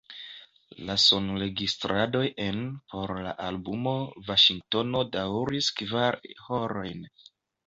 La sonregistradoj en por la albumo Vaŝingtono daŭris kvar horojn.